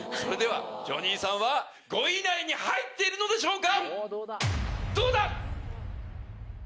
ジョニーさんは５位以内に入っているのでしょうか